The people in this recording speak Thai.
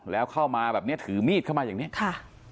แล้วเข้ามาแบบเนี้ยถือมีดเข้ามาอย่างนี้ค่ะ